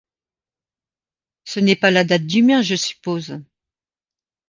Ce n’est pas la date du mien, je suppose !